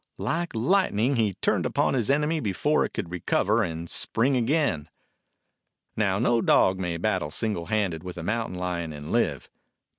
Like light ning he turned upon his enemy before it could recover and spring again. Now, no dog may battle single handed with a mountain lion and live.